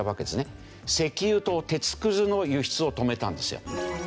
石油と鉄くずの輸出を止めたんですよ。